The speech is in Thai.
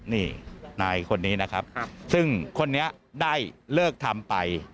นี่นายคนนี้นะครับซึ่งคนนี้ได้เลิกทำไป